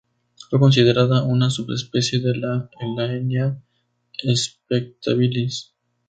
Fue considerada una subespecie de la "Elaenia spectabilis".